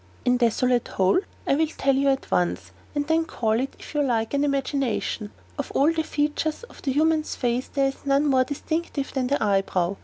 "In Desolate Hole? I will tell you at once; and then call it, if you like, an imagination. Of all the features of the human face there is none more distinctive than the eyebrow.